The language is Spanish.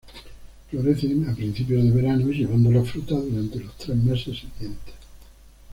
Florecen a principios de verano llevando la fruta durante los tres meses siguientes.